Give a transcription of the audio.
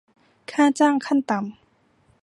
ค่าจ้างขั้นต่ำ